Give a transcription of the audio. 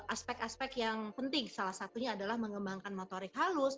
aspek aspek yang penting salah satunya adalah mengembangkan motorik halus